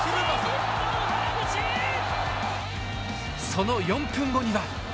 その４分後には。